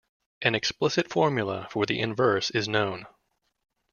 An explicit formula for the inverse is known.